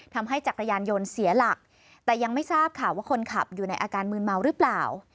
จักรยานยนต์เสียหลักแต่ยังไม่ทราบค่ะว่าคนขับอยู่ในอาการมืนเมาหรือเปล่า